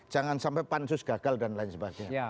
jangan sampai pansus gagal dan lain sebagainya